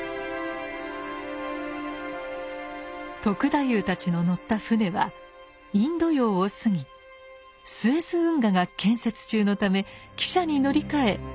篤太夫たちの乗った船はインド洋を過ぎスエズ運河が建設中のため汽車に乗り換え